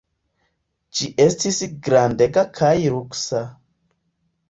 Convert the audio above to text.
Ĝi estis grandega kaj luksa.